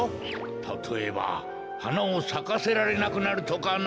たとえばはなをさかせられなくなるとかな。